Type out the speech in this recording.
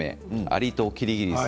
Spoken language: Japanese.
「アリとキリギリス」